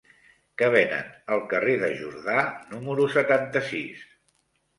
Què venen al carrer de Jordà número setanta-sis?